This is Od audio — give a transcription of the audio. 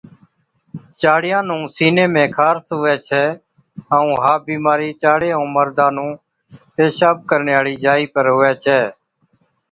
چاڙِيان نُون سِيني ۾ خارس هُوَي ڇَي ائُون ها بِيمارِي چاڙي ائُون مردا نُون پيشاب ڪرڻي هاڙِي جائِي پر هُوَي ڇَي